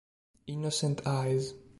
Innocent Eyes